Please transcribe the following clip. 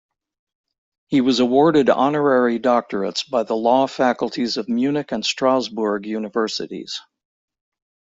He was awarded honorary doctorates by the law faculties of Munich and Strasbourg Universities.